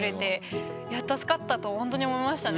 いや助かったとほんとに思いましたね